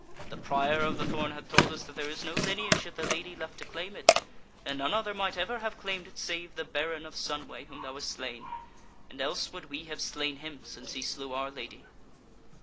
The Prior of the Thorn hath told us that there is no lineage of the Lady left to claim it; and none other might ever have claimed it save the Baron of Sunway, whom thou hast slain. And else would we have slain him, since he slew our Lady."